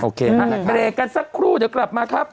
โอเคไปเรียกกันสักครู่เดี๋ยวกลับมาครับ